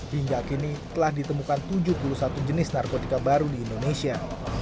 hingga kini telah ditemukan tujuh puluh satu jenis narkotika baru di indonesia